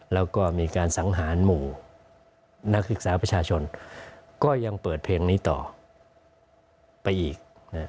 แล้วก็มีการสังหารหมู่นักศึกษาประชาชนก็ยังเปิดเพลงนี้ต่อไปอีก